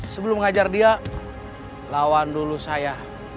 sebelum mengajar dia lawan dulu saya